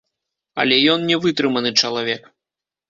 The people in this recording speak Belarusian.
Але ён не вытрыманы чалавек.